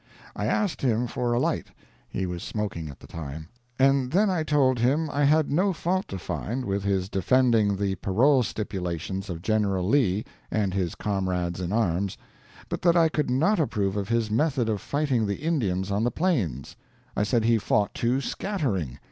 I asked him for alight (he was smoking at the time), and then I told him I had no fault to find with his defending the parole stipulations of General Lee and his comrades in arms, but that I could not approve of his method of fighting the Indians on the Plains. I said he fought too scattering.